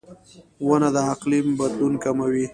• ونه د اقلیم بدلون کموي.